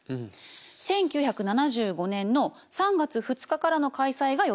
１９７５年の３月２日からの開催が予定されてたの。